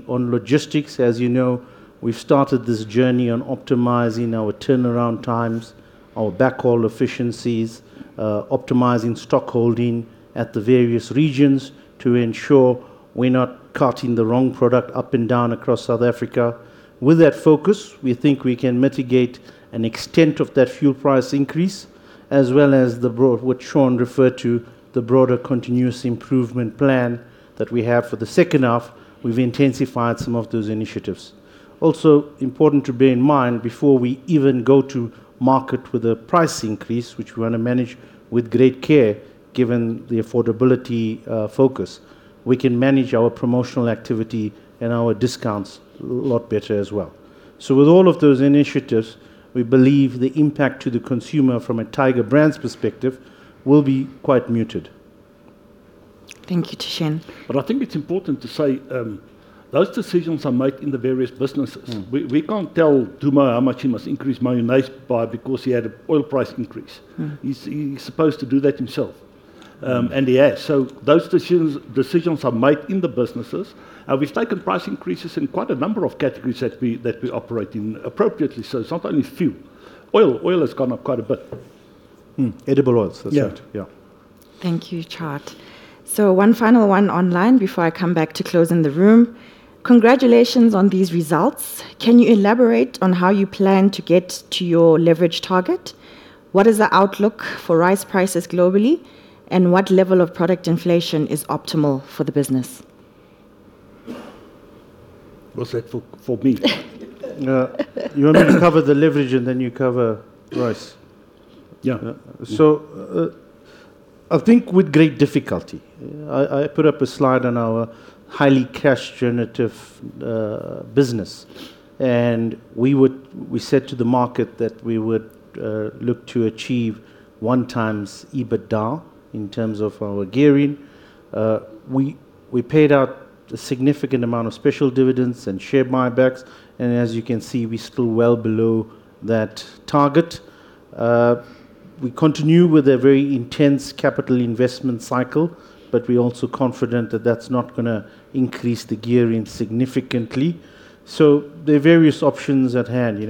On logistics, as you know, we've started this journey on optimizing our turnaround times, our backhaul efficiencies, optimizing stockholding at the various regions to ensure we're not carting the wrong product up and down across South Africa. With that focus, we think we can mitigate an extent of that fuel price increase, as well as what Shaun referred to, the broader continuous improvement plan that we have for the second half. We've intensified some of those initiatives. Also, important to bear in mind before we even go to market with a price increase, which we want to manage with great care given the affordability focus. We can manage our promotional activity and our discounts a lot better as well. With all of those initiatives, we believe the impact to the consumer from a Tiger Brands perspective will be quite muted. Thank you, Thushen. I think it's important to say, those decisions are made in the various businesses. We can't tell Dumo how much he must increase mayonnaise by because he had an oil price increase. He's supposed to do that himself. He has. Those decisions are made in the businesses. We've taken price increases in quite a number of categories that we operate in appropriately. It's not only fuel. Oil has gone up quite a bit. Mm-hmm. Edible oils, that's right. Yeah. Yeah. Thank you, Tjaart. One final one online before I come back to close in the room. Congratulations on these results. Can you elaborate on how you plan to get to your leverage target? What is the outlook for rice prices globally? What level of product inflation is optimal for the business? Was that for me? You want me to cover the leverage and then you cover rice? Yeah. I think with great difficulty. I put up a slide on our highly cash generative business. We said to the market that we would look to achieve 1x EBITDA in terms of our gearing. We paid out a significant amount of special dividends and share buybacks, and as you can see, we're still well below that target. We continue with a very intense capital investment cycle, but we're also confident that that's not going to increase the gearing significantly. There are various options at hand.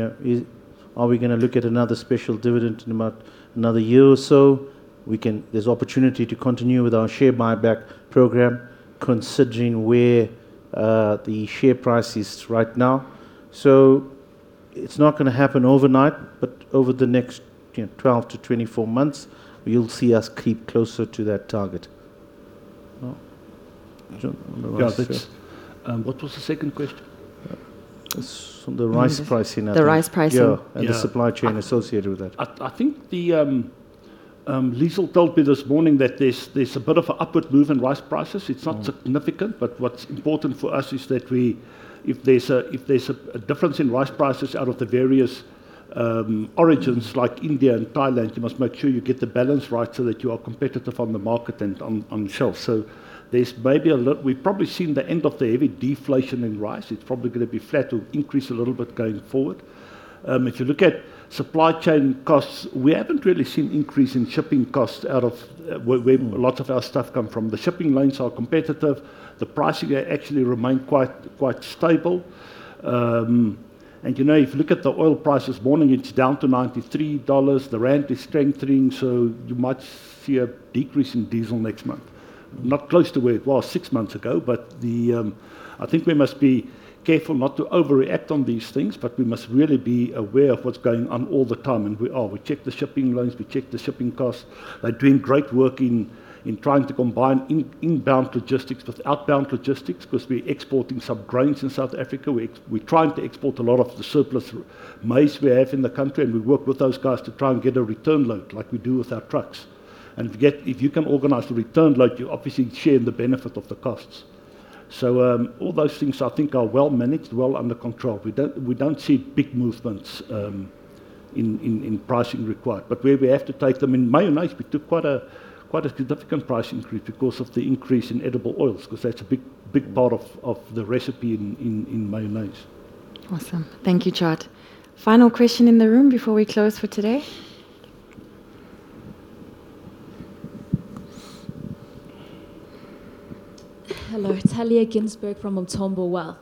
Are we going to look at another special dividend in about another year or so? There's opportunity to continue with our share buyback program considering where the share price is right now. It's not going to happen overnight, but over the next 12-24 months, you'll see us keep closer to that target. No? Yeah. What was the second question? The rice pricing The rice pricing. Yeah Yeah the supply chain associated with that. I think Liezel told me this morning that there's a upward move in rice prices. It's not significant. What's important for us is that if there's a difference in rice prices out of the various origins like India and Thailand, you must make sure you get the balance right so that you are competitive on the market and on the shelf. There's maybe a little We've probably seen the end of the heavy deflation in rice. It's probably going to be flat or increase a little bit going forward. If you look at supply chain costs, we haven't really seen increase in shipping costs out of where lots of our stuff come from the shipping lanes are competitive. The pricing actually remain quite stable. If you look at the oil price this morning, it's down to $93. The rand is strengthening. You might see a decrease in diesel next month. Not close to where it was six months ago. I think we must be careful not to overreact on these things. We must really be aware of what's going on all the time, and we are. We check the shipping lanes, we check the shipping costs. They're doing great work in trying to combine inbound logistics with outbound logistics because we're exporting some grains in South Africa. We're trying to export a lot of the surplus maize we have in the country. We work with those guys to try and get a return load like we do with our trucks. If you can organize the return load, you obviously share in the benefit of the costs. All those things I think are well managed, well under control. We don't see big movements in pricing required. Where we have to take them, in mayonnaise, we took quite a significant price increase because of the increase in edible oils, because that's a big part of the recipe in mayonnaise. Awesome. Thank you, Tjaart. Final question in the room before we close for today. Hello. Talya Ginsberg from Umthombo Wealth.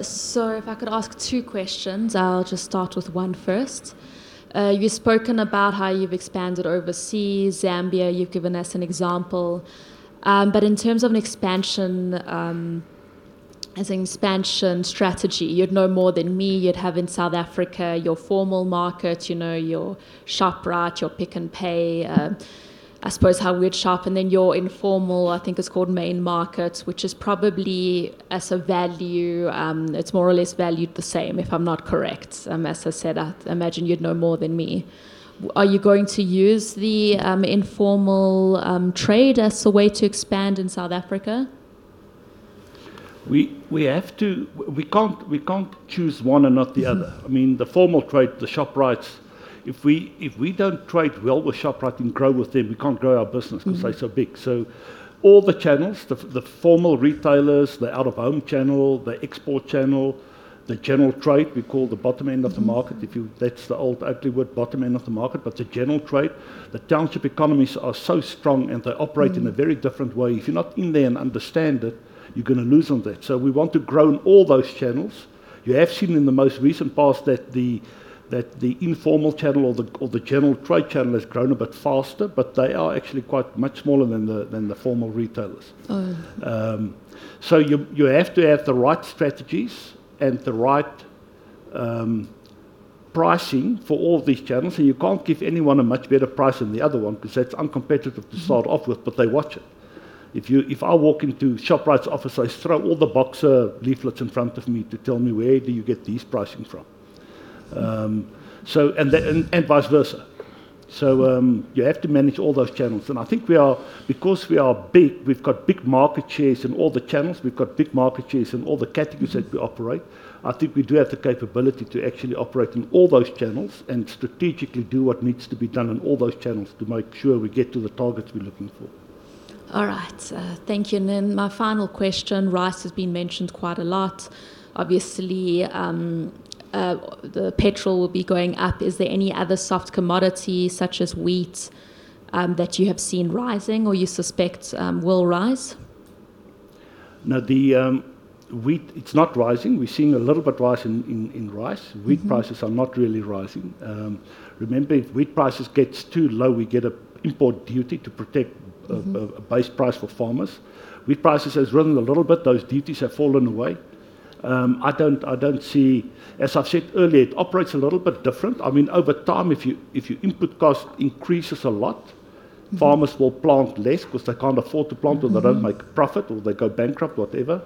If I could ask two questions. I'll just start with one first. You've spoken about how you've expanded overseas. Zambia, you've given us an example. In terms of an expansion as an expansion strategy, you'd know more than me. You'd have in South Africa, your formal market, your Shoprite, your Pick n Pay, I suppose how we'd shop. Your informal, I think it's called Main Markets, which is probably as a value, it's more or less valued the same. If I'm not correct. As I said, I imagine you'd know more than me. Are you going to use the informal trade as a way to expand in South Africa? We can't choose one and not the other. I mean, the formal trade, the Shoprites. If we don't trade well with Shoprite and grow with them, we can't grow our business because they're so big. All the channels, the formal retailers, the out-of-home channel, the export channel, the general trade we call the bottom end of the market. That's the old ugly word, bottom end of the market. The general trade, the township economies are so strong, and they operate in a very different way. If you're not in there and understand it, you're going to lose on that. We want to grow in all those channels. You have seen in the most recent past that the informal channel or the general trade channel has grown a bit faster, but they are actually quite much smaller than the formal retailers. Oh. You have to have the right strategies and the right pricing for all these channels. You can't give anyone a much better price than the other one because that's uncompetitive to start off with. They watch it. If I walk into Shoprite's office, they throw all the Boxer leaflets in front of me to tell me, "Where do you get these pricing from?" Vice versa. You have to manage all those channels. I think because we are big, we've got big market shares in all the channels. We've got big market shares in all the categories that we operate. I think we do have the capability to actually operate in all those channels and strategically do what needs to be done in all those channels to make sure we get to the targets we're looking for. All right. Thank you. My final question. Rice has been mentioned quite a lot. Obviously, the petrol will be going up. Is there any other soft commodity such as wheat, that you have seen rising or you suspect will rise? No. The wheat, it's not rising. We're seeing a little bit rise in rice. Wheat prices are not really rising. Remember, if wheat prices gets too low, we get an import duty to protect a base price for farmers. Wheat prices has risen a little bit. Those duties have fallen away. I don't see. As I've said earlier, it operates a little bit different. Over time, if your input cost increases a lot. Farmers will plant less because they can't afford to plant, or they don't make profit, or they go bankrupt, whatever.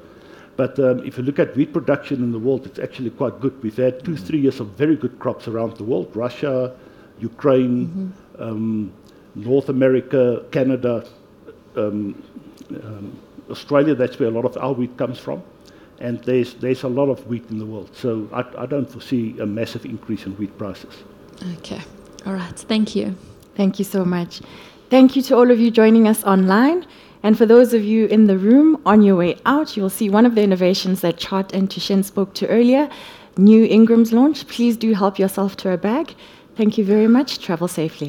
If you look at wheat production in the world, it's actually quite good. We've had two, three years of very good crops around the world. Russia, Ukraine. North America, Canada, Australia. That's where a lot of our wheat comes from. There's a lot of wheat in the world. I don't foresee a massive increase in wheat prices. Okay. All right. Thank you. Thank you so much. Thank you to all of you joining us online. For those of you in the room, on your way out, you'll see one of the innovations that Tjaart and Thushen spoke to earlier, new Ingram's launch. Please do help yourself to a bag. Thank you very much. Travel safely.